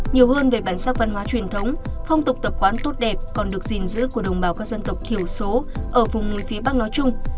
nhiều hơn về bản sắc văn hóa truyền thống phong tục tập quán tốt đẹp còn được gìn giữ của đồng bào các dân tộc thiểu số ở vùng núi phía bắc nói chung